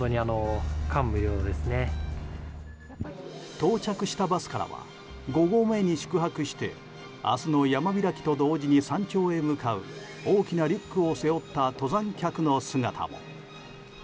到着したバスからは５合目に宿泊して明日の山開きと同時に山頂へ向かう大きなリュックを背負った登山客の姿も。